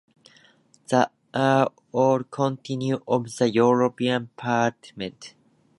These are also constituencies of the European Parliament.